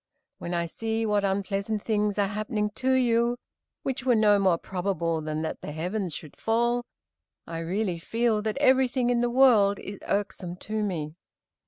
When I see what unpleasant things are happening to you, which were no more probable than that the heavens should fall, I really feel that everything in the world is irksome to me."